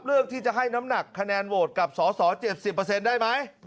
เลือกที่จะให้น้ำหนักคะแนนโหวตกับสส๗๐ได้ไหม